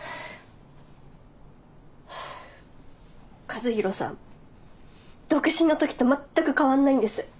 和弘さん独身の時と全く変わんないんです。